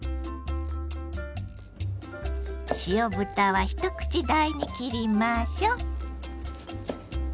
塩豚は一口大に切りましょう。